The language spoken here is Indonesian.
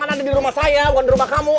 kan ada di rumah saya bukan di rumah kamu